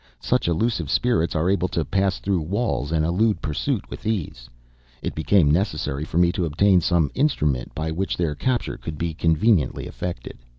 Such elusive spirits are able to pass through walls and elude pursuit with ease. It became necessary for me to obtain some instrument by which their capture could be conveniently effected.